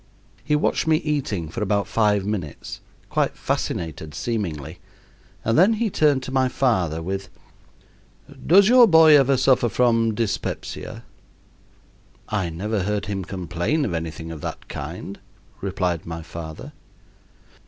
He watched me eating for about five minutes, quite fascinated seemingly, and then he turned to my father with "Does your boy ever suffer from dyspepsia?" "I never heard him complain of anything of that kind," replied my father.